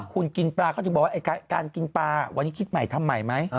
คุณกินปลาเขาถึงบอกว่าการกินปลาวันนี้คิดใหม่ทำใหม่ไหม